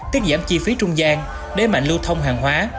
tiết giảm chi phí trung gian đẩy mạnh lưu thông hàng hóa